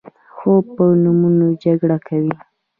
خو په نومونو جګړه کوي.